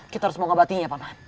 kita harus mau ngebatiinnya paman